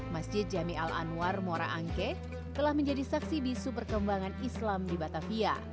masjid jami al anwar muara angke telah menjadi saksi bisu perkembangan islam di batavia